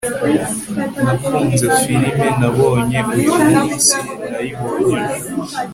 nakunze firime nabonye uyumunsi nayibonye ejo